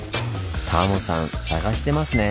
タモさん探してますね。